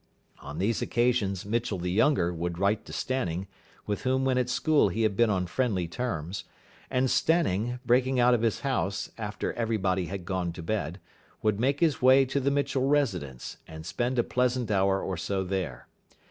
On these occasions Mitchell the younger would write to Stanning, with whom when at school he had been on friendly terms; and Stanning, breaking out of his house after everybody had gone to bed, would make his way to the Mitchell residence, and spend a pleasant hour or so there.